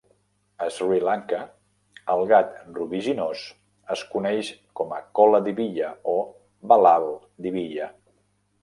A Sri Lanka, el gat rubiginós es coneix com a "kola diviya" o "balal diviya".